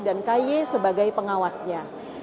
dan kai sebagai pengawasnya